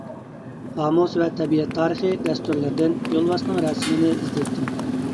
قامۇس ۋە تەبىئەت تارىخى دەستۇرلىرىدىن يولۋاسنىڭ رەسىمىنى ئىزدەيتتىم.